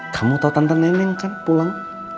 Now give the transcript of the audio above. kamu tau tante neneng kan pulang